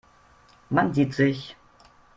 Man sieht sich.